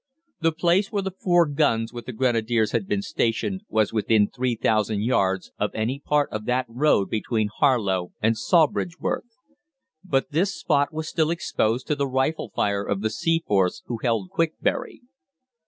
The place where the four guns with the Grenadiers had been stationed was within 3,000 yards of any part of that road between Harlow and Sawbridgeworth. But this spot was still exposed to the rifle fire of the Seaforths who held Quickbury.